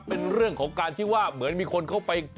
เป็นเรื่องของการที่ว่าเหมือนมีคนเข้าไป